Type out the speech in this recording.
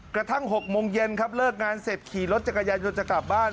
กระทั่ง๖โมงเย็นครับเลิกงานเสร็จขี่รถจักรยานยนต์จะกลับบ้าน